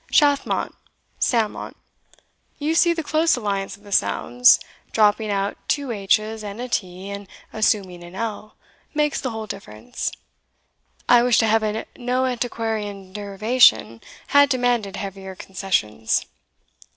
Shathmont salmont you see the close alliance of the sounds; dropping out two h's, and a t, and assuming an l, makes the whole difference I wish to heaven no antiquarian derivation had demanded heavier concessions."